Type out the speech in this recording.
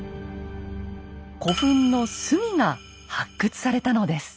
古墳の隅が発掘されたのです。